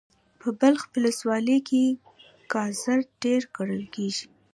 په بلخ ولسوالی کی ګازر ډیر کرل کیږي.